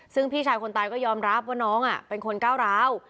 ซึ่งพี่ชายคนตายก็ยอมรับว่าน้องเป็นคนก้าวร้าว